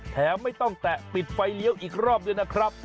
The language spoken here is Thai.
แถมไม่ต้องแตะปิดไฟเลี้ยวอีกรอบด้วยนะครับ